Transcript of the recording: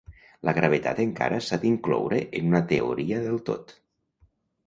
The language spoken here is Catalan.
La gravetat encara s'ha d'incloure en una teoria del tot.